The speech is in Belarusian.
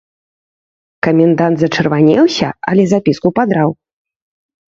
Камендант зачырванеўся, але запіску падраў.